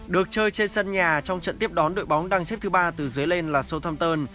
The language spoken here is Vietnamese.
được chơi trên sân nhà trong trận tiếp đón đội bóng đăng xếp thứ ba từ dưới lên là southampton